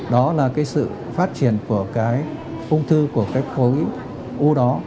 đó là cái sự phát triển của cái ung thư của cái khối u đó